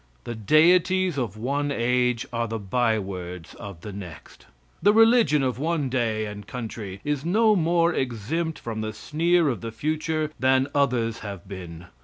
The deities of one age are the by words of the next. The religion of one day and country, is no more exempt from the sneer of the future than others have been.